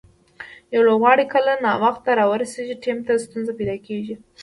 یو لوبغاړی کله ناوخته راورسېږي، ټیم ته ستونزه پېدا کیږي.